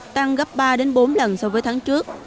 tăng gấp ba bốn lần so với tháng trước